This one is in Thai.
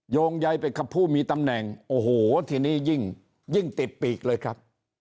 โยงใยไปกับผู้มีตำแหน่งโอ้โหทีนี้ยิ่งติดปีกเลยครับ